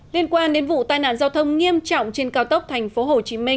liên quan đến vụ tai nạn giao thông nghiêm trọng trên cao tốc tp hcm